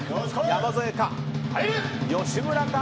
山添か、吉村か。